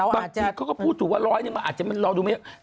บางทีเขาก็พูดถูกว่าร้อยหนึ่งมันอาจจะรอดูไม่